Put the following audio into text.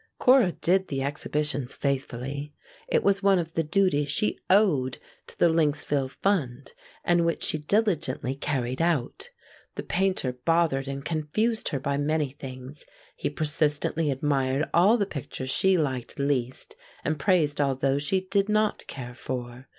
Cora did the exhibitions faithfully. It was one of the duties she owed to the Lynxville fund, and which she diligently carried out. The Painter bothered and confused her by many things; he persistently admired all the pictures she liked least, and praised all those she did not care for.